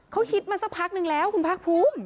เขาฮิตมาสักพักนึงแล้วคุณภาคภูมิ